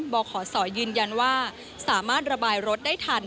บขศยืนยันว่าสามารถระบายรถได้ทัน